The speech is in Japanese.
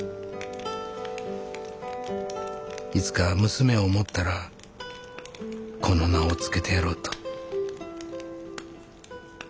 いつか娘を持ったらこの名を付けてやろうと。